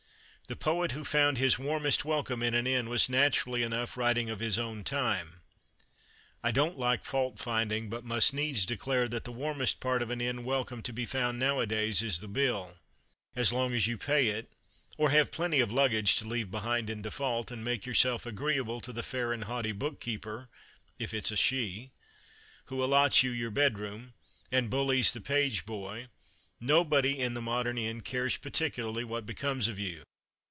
The poet who found his "warmest welcome in an inn" was, naturally enough, writing of his own time. I don't like fault finding, but must needs declare that the "warmest" part of an inn welcome to be found nowadays is the bill. As long as you pay it (or have plenty of luggage to leave behind in default), and make yourself agreeable to the fair and haughty bookkeeper (if it's a "she") who allots you your bedroom, and bullies the page boy, nobody in the modern inn cares particularly what becomes of you.